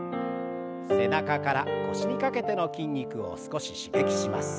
背中から腰にかけての筋肉を少し刺激します。